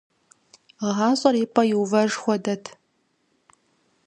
ГъащӀэр и пӀэ иувэж хуэдэт…